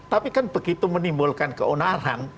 tapi kan begitu menimbulkan keonaran